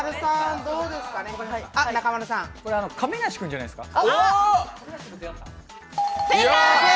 これは亀梨君じゃないですか？